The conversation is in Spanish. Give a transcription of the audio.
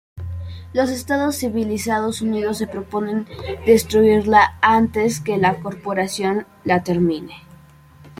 Los Estados Civilizados Unidos se proponen destruirla antes que la Corporación la termine.